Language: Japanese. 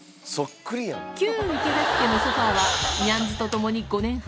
旧池崎家のソファーは、ニャンズと共に５年半。